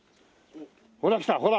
ほら来たほら。